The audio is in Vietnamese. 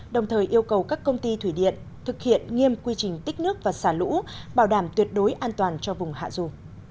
đồng thời yêu cầu các công ty thủy điện thực hiện nghiêm quy trình tích nước và xả lũ bảo đảm tuyệt đối an toàn cho vùng hạ dù